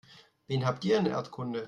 Wen habt ihr in Erdkunde?